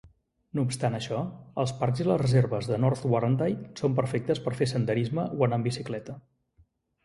No obstant això, els parcs i les reserves de North Warrandyte són perfectes per fer senderisme o anar en bicicleta.